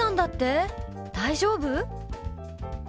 大丈夫？